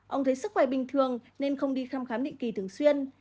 ông thấy sức khỏe bình thường nên không đi thăm khám định kỳ thường xuyên